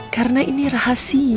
karena ini rahasia